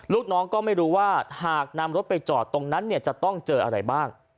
ลูกน้องก็ไม่รู้ว่าหากนำรถไปจอดตรงนั้นเนี่ยจะต้องเจออะไรบ้าง